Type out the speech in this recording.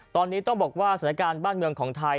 ตอนนี้ต้องบอกว่าสถานการณ์บ้านเมืองของไทย